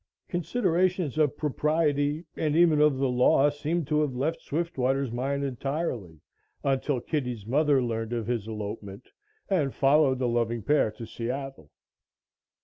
Considerations of propriety and, even of the law, seemed to have left Swiftwater's mind entirely, until Kitty's mother learned of his elopement and followed the loving pair to Seattle.